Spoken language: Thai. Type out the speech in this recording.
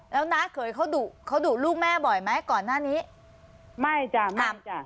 แล้วน้าเขยเขาดุเขาดุลูกแม่บ่อยไหมก่อนหน้านี้ไม่จ้ะไม่จ้ะ